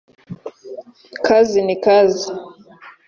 kazi ni kazi